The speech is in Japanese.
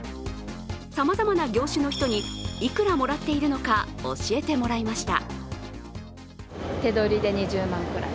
さまざまな業種の人に、いくらもらっているのか教えてもらいました。